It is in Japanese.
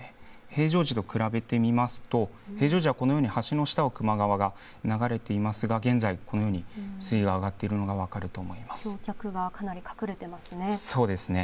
平常時と比べてみますと、平常時はこのように橋の下を球磨川が流れていますが、現在、このように水位が上がっているのが分かると橋脚がかなり隠れていますね。